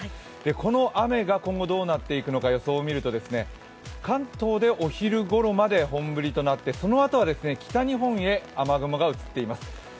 この雨が今後どうなっていくのか、予想を見ると、関東でお昼ごろまで本降りとなってそのあとは北日本へ雨雲が移っていきます。